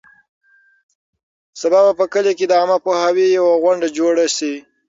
سبا به په کلي کې د عامه پوهاوي یوه غونډه جوړه شي.